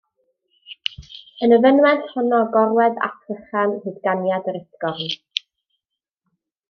Yn y fynwent honno gorwedd Ap Vychan hyd ganiad yr utgorn.